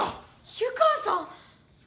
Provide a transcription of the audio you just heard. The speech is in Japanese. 湯川さん。